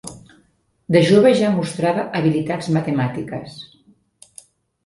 De jove ja mostrava habilitats matemàtiques.